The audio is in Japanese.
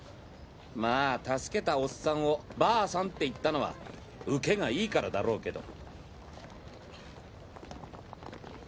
まぁ助けたオッサンをバァさんって言ったのはウケがいいからだろうけど。